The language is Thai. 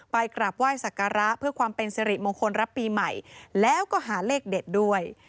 กราบไหว้สักการะเพื่อความเป็นสิริมงคลรับปีใหม่แล้วก็หาเลขเด็ดด้วย